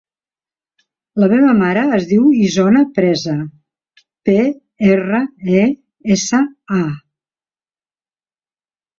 La meva mare es diu Isona Presa: pe, erra, e, essa, a.